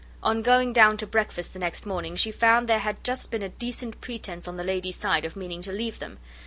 On going down to breakfast the next morning, she found there had just been a decent pretence on the lady's side of meaning to leave them.